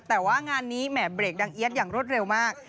แต่ว่างานนี้แหม่เบรกดังเอี๊ยดอย่างรวดเร็วมาก